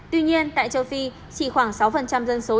tuy nhiên tại châu phi chỉ khoảng sáu dân số